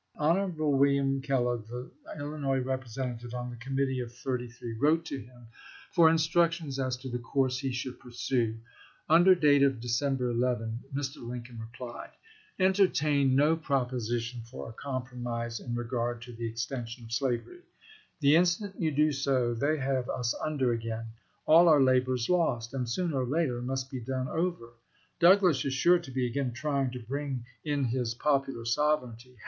Hon. William Kellogg, the Illinois Representative on the Committee of Thirty three, wrote to him THE PRESIDENT ELECT 259 for instructions as to the course he should pursue, chap. xvi. Under date of December 11, Mr. Lincoln replied : Entertain no proposition for a compromise in regard to the extension of slavery. The instant yon do they have us under again : all our labor is lost, and sooner or later must be done over. Douglas is sure to be again trying to bring in his " Popular Sovereignty."